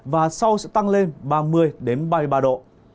và sau sẽ tăng lên ba mươi ba mươi ba độ